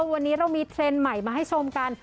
วันนี้เรามีเทรนด์ใหม่มาให้ชมกัน